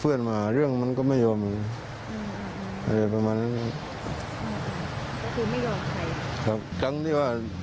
เพื่อนมาเรื่องมันก็ไม่ยอมเรียบประมาณนี้